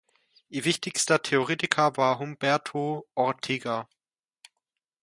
Ihr wichtigster Theoretiker war Humberto Ortega.